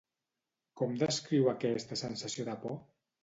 Com descriu aquesta sensació de por?